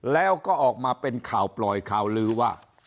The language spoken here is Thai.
แล้วก็ออกมาเป็นข่าวปล่อยข่าวลือว่า